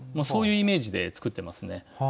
そういうイメージで作ってますね。